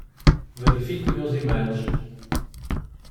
Verifique meus emails.